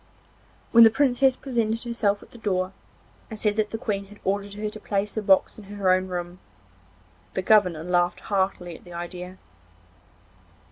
When the Princess presented herself at the door, and said that the Queen had ordered her to place the box in her own room, the governor laughed heartily at the idea.